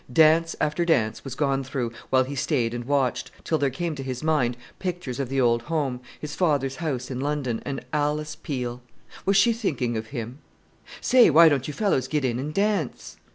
Dance after dance was gone through, while he stayed and watched, till there came to his mind pictures of the old home his father's house in London, and Alice Peel! Was she thinking of him? "Say! why don't you fellows get in and dance?"